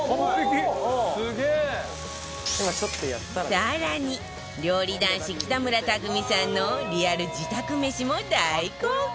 更に料理男子北村匠海さんのリアル自宅めしも大公開